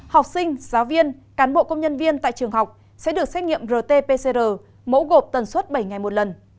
học sinh giáo viên cán bộ công nhân viên tại trường học sẽ được xét nghiệm rt pcr mẫu gộp tần suất bảy ngày một lần